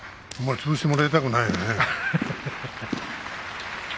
つぶしてもらいたくないね。